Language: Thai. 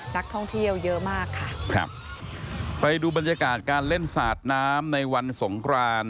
นักท่องเที่ยวเยอะมากค่ะครับไปดูบรรยากาศการเล่นสาดน้ำในวันสงคราน